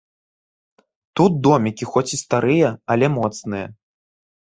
Тут домікі хоць і старыя, але моцныя.